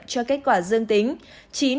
cho kết quả dương tính